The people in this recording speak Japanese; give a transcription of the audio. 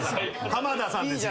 浜田さんですよ。